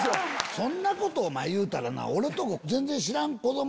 そんなこと言うたらな俺のとこ。